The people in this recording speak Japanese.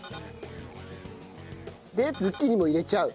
でズッキーニも入れちゃう。